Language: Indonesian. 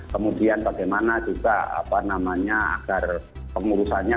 kemudian bagaimana juga apa namanya agar pengurusannya